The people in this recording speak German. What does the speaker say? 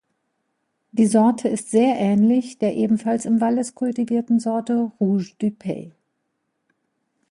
Die Sorte ist sehr ähnlich der ebenfalls im Wallis kultivierten Sorte Rouge du Pays.